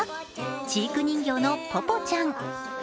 知育人形のぽぽちゃん。